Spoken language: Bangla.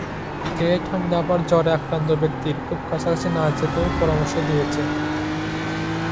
কে ঠান্ডা বা জ্বরে আক্রান্ত ব্যক্তির খুব কাছাকাছি না যেতেও পরামর্শ দিয়েছে?